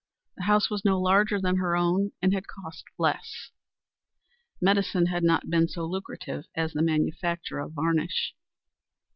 The house was no larger than her own, and had cost less. Medicine had not been so lucrative as the manufacture of varnish.